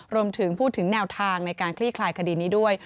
รวมถึงพูดถึงแนวทางในการคลี่คลายคดีนี้ด้วย